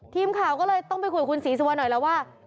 ทีมข่าวก็เลยต้องไปคุยกับคุณศรีสุวรรณหน่อยแล้วว่า